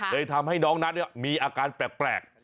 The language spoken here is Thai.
ทำให้น้องนั้นมีอาการแปลก